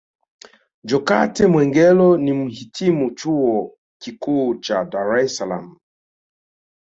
Jokate Mwegelo ni Mhitimu Chuo Kikuu cha Dar Es Salaam